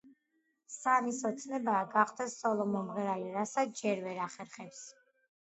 სანის ოცნებაა გახდეს სოლო მომღერალი, რასაც ჯერ ვერ ახერხებს.